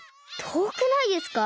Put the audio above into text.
とおくないですか？